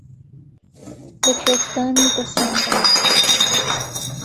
لە کوێستانی دە سامرەند